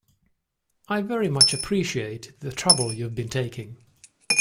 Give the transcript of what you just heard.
I very much appreciate the trouble you've been taking